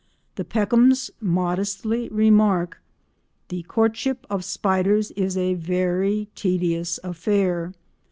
The Peckhams modestly remark: "The courtship of spiders is a very tedious affair.